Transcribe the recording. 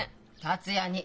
達也に。